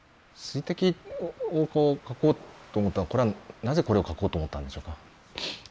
「水滴」を書こうと思ったのはこれはなぜこれを書こうと思ったんでしょうか。